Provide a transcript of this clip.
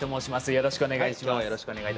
よろしくお願いします。